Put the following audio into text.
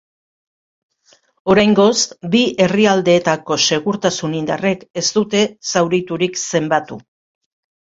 Oraingoz, bi herrialdeetako segurtasun indarrek ez dute zauriturik zenbatu.